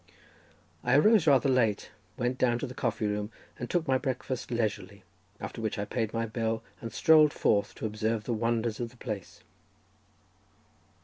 I arose rather late, went down to the coffee room and took my breakfast leisurely, after which I paid my bill and strolled forth to observe the wonders of the place.